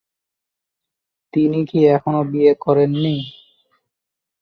তিনি কি এখনো বিয়ে করেননি?